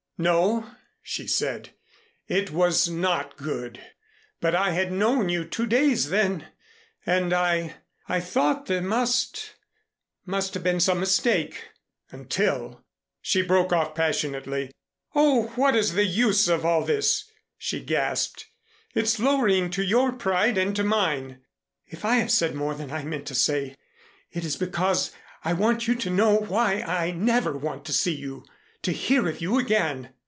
"No," she said. "It was not good. But I had known you two days then, and I I thought there must have been some mistake until " she broke off passionately. "Oh, what is the use of all this?" she gasped. "It's lowering to your pride and to mine. If I have said more than I meant to say, it is because I want you to know why I never want to see you to hear of you again."